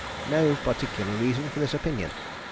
No particular reason for this opinion.